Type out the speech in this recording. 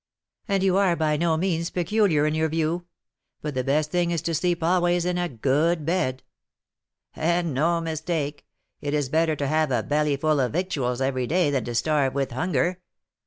"And you are by no means peculiar in your view; but the best thing is to sleep always in a good bed." "And no mistake; it is better to have a bellyful of victuals every day than to starve with hunger.